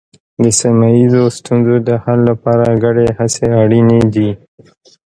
د سیمه ییزو ستونزو د حل لپاره ګډې هڅې اړینې دي.